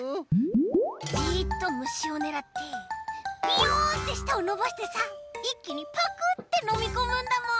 じっとむしをねらってビヨンってしたをのばしてさいっきにパクッてのみこむんだもん。